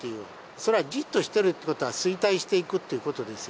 それはじっとしてるってことは衰退していくっていうことですよ。